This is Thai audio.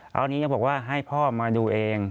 แล้วอันนี้บอกว่าให้พ่อมาดูเอง